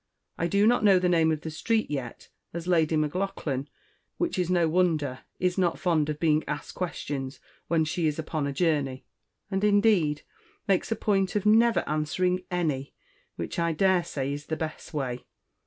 I do not know the Name of the street yet, as Lady M'Laughlan, which is no wonder, is not fond of being Asked questions when she is Upon a Journey; and, indeed, makes a Point of never Answering any, which, I daresay, is the Best way.